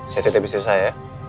saya tetap istirahat ya